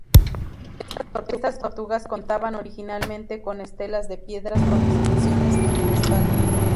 Estas tortugas contaban originalmente con estelas de piedra con inscripciones en su espalda.